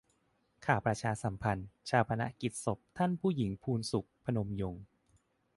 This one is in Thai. ข่าวประชาสัมพันธ์ : ฌาปนกิจศพท่านผู้หญิงพูนศุข พนมยงค์